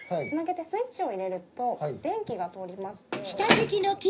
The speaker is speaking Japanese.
つなげてスイッチを入れると電気が通りまして。